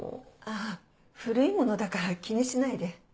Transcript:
あぁ古いものだから気にしないで。